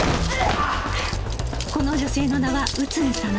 この女性の名は内海早苗